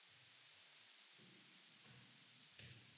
va bu g‘ovlarning bir toifasi moddiy emas, ma’naviydir.